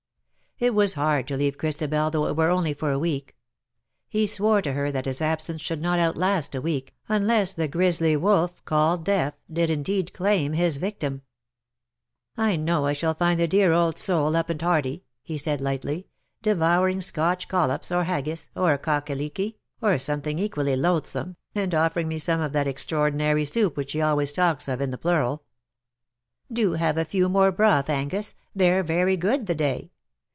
It was hard to leave Christabel, though it were only for a week. He swore to her that his absence should not outlast a week^ unless the grisly wolf called Death did indeed claim his victim. "I know I shall find the dear old soul up and hearty/^ he said, lightly, " devouring Scotch collops, or haggis, or cock a leeky, or something equally loathsome, and offering me some of that extra ordinary soup which she always talks of in the plural. ^ Do have a few more broth, Angus ; they^re very good the day."